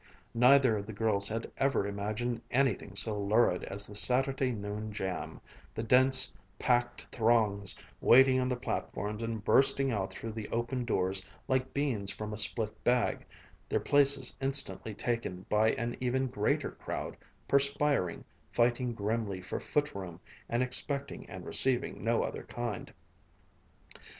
Neither of the girls had ever imagined anything so lurid as the Saturday noon jam, the dense, packed throngs waiting on the platforms and bursting out through the opened doors like beans from a split bag, their places instantly taken by an even greater crowd, perspiring, fighting grimly for foot room and expecting and receiving no other kind.